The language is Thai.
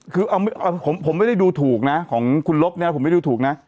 คือผมไม่ได้ดูถูกนะของคุณลบเนี่ยนะผมไม่ได้ดูถูกนะ